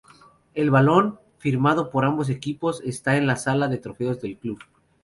El balón, firmado por ambos equipos, está en la sala de trofeos del club.